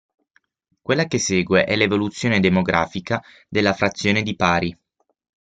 Quella che segue è l'evoluzione demografica della frazione di Pari.